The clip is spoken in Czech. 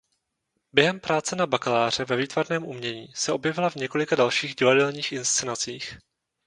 Během práce na bakaláře ve výtvarném umění se objevila v několika dalších divadelních inscenacích.